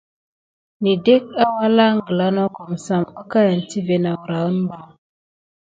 Nəzek alangla nokum sam əkayan tive nawrahən ɓa.